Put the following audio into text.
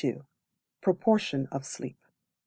Proportion of Sleep.